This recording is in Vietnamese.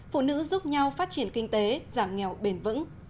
phụ nữ giúp nhau phát triển kinh tế giảm nghèo bền vững